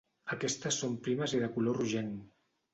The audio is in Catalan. Aquestes són primes i de color rogenc.